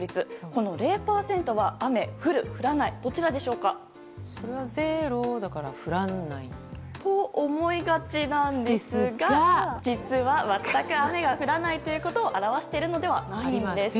この０％は雨が降る、降らないゼロだから降らない？と思いがちなんですが実は全く雨が降らないということを表しているのではないんです。